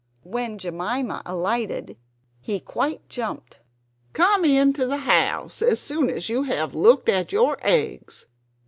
When Jemima alighted he quite jumped. "Come into the house as soon as you have looked at your eggs.